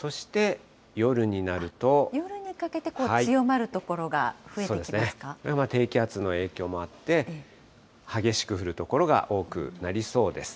夜にかけて強まる所が増えて低気圧の影響もあって、激しく降る所が多くなりそうです。